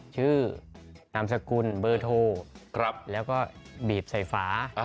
ชื่อนามสกุลเบอร์โทรแล้วก็บีบใส่ฝา